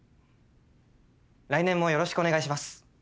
来年もよろしくお願いします。